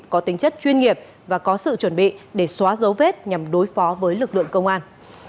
có tính chất chuyên nghiệp và có sự chuẩn bị để xóa dấu vết nhằm đối phó với lực lượng công an